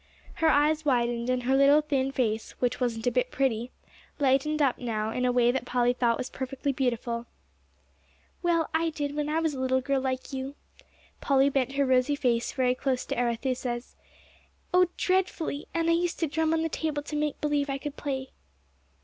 Her eyes widened, and her little thin face, which wasn't a bit pretty, lightened up now in a way that Polly thought was perfectly beautiful. "Well, I did, when I was a little girl like you" Polly bent her rosy face very close to Arethusa's "oh, dreadfully; and I used to drum on the table to make believe I could play."